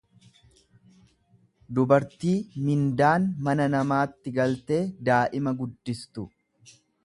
dubartii mindaan mana namaatti galtee daa'ima guddistu.